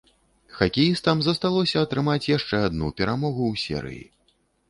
Хакеістам засталося атрымаць яшчэ адну перамогу ў серыі.